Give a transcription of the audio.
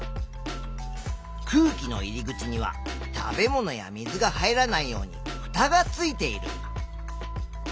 空気の入り口には食べ物や水が入らないようにふたがついている。